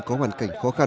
có hoàn cảnh khó khăn